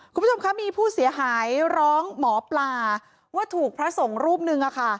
คุณผู้ชมคะมีผู้เสียหายร้องหมอปลาว่าถูกพระสงฆ์รูปหนึ่ง